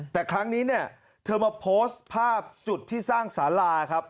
แต่ครั้งนี้เนี่ยเธอมาโพสต์ภาพจุดที่สร้างสาราครับ